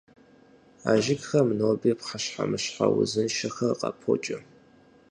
А жыгхэм ноби пхъэщхьэмыщхьэ узыншэхэр къапокӀэ.